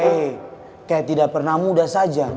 eh kayak tidak pernah muda saja